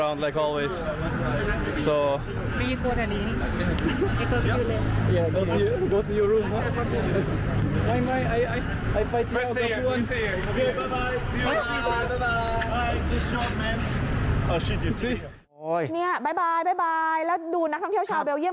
นี่บ๊ายบายบ๊ายบายแล้วดูนักท่องเที่ยวชาวเบลเยี่ยม